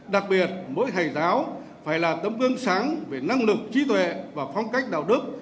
đặc biệt mỗi thầy giáo phải là tấm gương sáng về năng lực trí tuệ và phong cách đạo đức